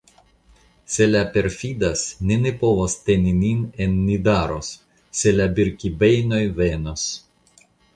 Se la perfidas, ni ne povos teni nin en Nidaros, se la Birkibejnoj venos.